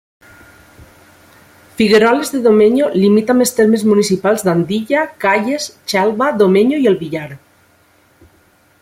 Figueroles de Domenyo limita amb els termes municipals d'Andilla, Calles, Xelva, Domenyo i el Villar.